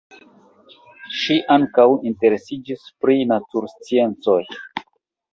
Ŝi ankaŭ interesiĝis pri natursciencoj.